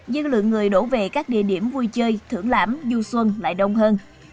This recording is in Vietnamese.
nhưng lượng người đổ về các địa điểm vui chơi thưởng lãm du xuân lại đông hơn